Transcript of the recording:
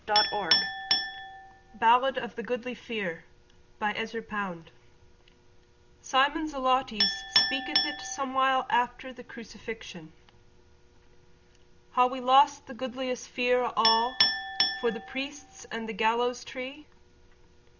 Ezra Pound Ballad of the Goodly Fere (Fere = Mate, Companion) SIMON Zelotes speaketh it somewhile after the Crucifixion Ha' we lost the goodliest fere o' all For the priests and the gallows tree?